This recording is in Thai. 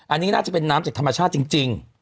อันนี้น่าจะเป็นน้ำจากธรรมชาติจริง